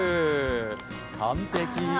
完璧。